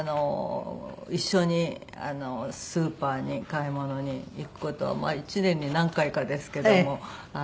一緒にスーパーに買い物に行く事は１年に何回かですけども。